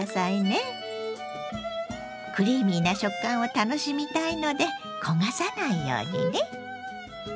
クリーミーな食感を楽しみたいので焦がさないようにね。